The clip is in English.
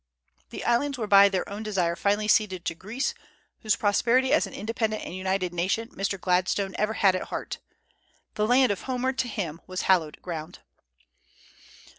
The islands were by their own desire finally ceded to Greece, whose prosperity as an independent and united nation Mr. Gladstone ever had at heart. The land of Homer to him was hallowed ground.